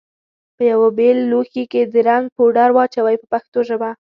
په یوه بېل لوښي کې د رنګ پوډر واچوئ په پښتو ژبه.